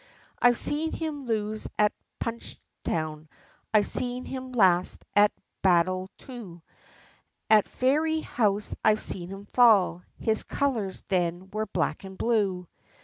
I've seen him lose at Punchestown, I've seen him last, at Baldoyle too, At Fairyhouse I've seen him fall his colours then were black and blue.